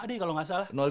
lima deh kalau gak salah